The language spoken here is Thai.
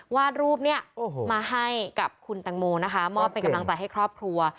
วาดรูปเนี่ยมาให้กับคุณแตงโมนะคะมอบเป็นกำลังใจให้ครอบครัว